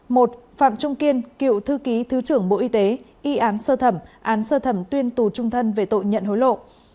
một phạm trung kiên cựu thư ký thứ trưởng bộ y tế y án sơ thẩm án sơ thẩm tuyên tù trung thân về tội nhận hối lộ